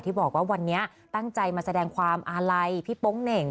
บอกว่าวันนี้ตั้งใจมาแสดงความอาลัยพี่โป๊งเหน่ง